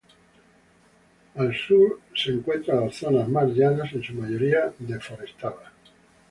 Al sur se encuentran las zonas más llanas, en su mayoría deforestadas.